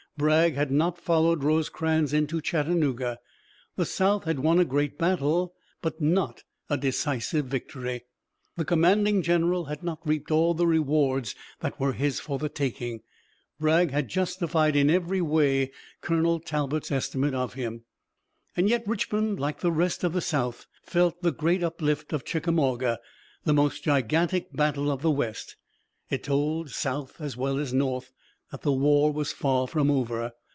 Bragg had not followed Rosecrans into Chattanooga. The South had won a great battle, but not a decisive victory. The commanding general had not reaped all the rewards that were his for the taking. Bragg had justified in every way Colonel Talbot's estimate of him. And yet Richmond, like the rest of the South, felt the great uplift of Chickamauga, the most gigantic battle of the West. It told South as well as North that the war was far from over.